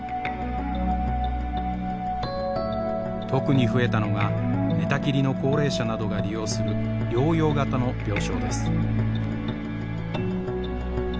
特に増えたのが寝たきりの高齢者などが利用する療養型の病床です。